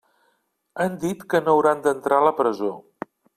Han dit que no hauran d'entrar a la presó.